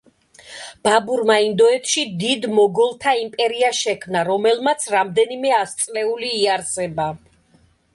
ბაბურმა ინდოეთში დიდ მოგოლთა იმპერია შექმნა, რომელმაც რამდენიმე ასწლეული იარსება.